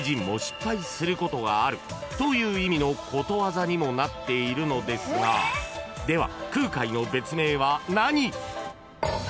［ことがあるという意味のことわざにもなっているのですがでは］